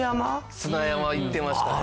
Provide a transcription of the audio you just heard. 砂山いってましたね。